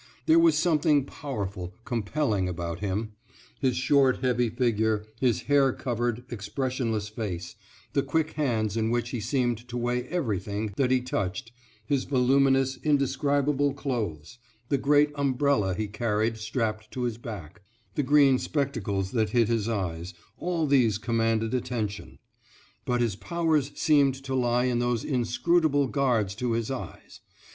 There was something powerful, compelling, about him; his short, heavy figure, his hair covered, expressionless face, the quick hands in which he seemed to weigh everything that he touched, his voluminous, indescribable clothes, the great umbrella he carried strapped to his back, the green spectacles that hid his eyes, all these commanded attention. But his powers seemed to lie in those inscrutable guards to his eyes.